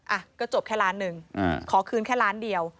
อ่ะก็จบแค่ล้านหนึ่งขอคืนแค่ล้านเดียว